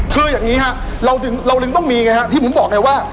คืออย่างนี้เราถึงต้องมีที่หมูบอกเลยว่า